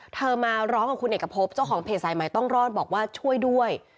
มาร้องกับคุณเอกพบเจ้าของเพจสายใหม่ต้องรอดบอกว่าช่วยด้วย